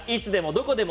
「どこでも」